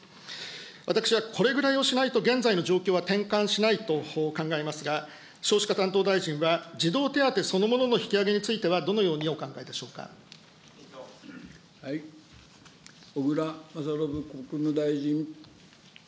私はこれぐらいをしないと現在の状況は転換しないと考えますが、少子化担当大臣は児童手当そのものの引き上げについてはどのよう小倉將信国務大臣。